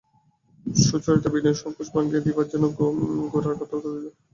সুচরিতা বিনয়ের সংকোচ ভাঙিয়া দিবার জন্য গোরার কথা তুলিল।